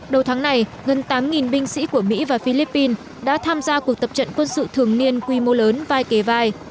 đầu tháng này gần tám binh sĩ của mỹ và philippines đã tham gia cuộc tập trận quân sự thường niên quy mô lớn vai kề vai